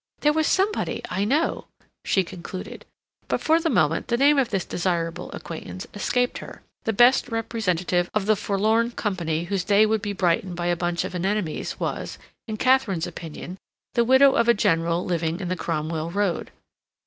There was somebody I know—" she concluded, but for the moment the name of this desirable acquaintance escaped her. The best representative of the forlorn company whose day would be brightened by a bunch of anemones was, in Katharine's opinion, the widow of a general living in the Cromwell Road.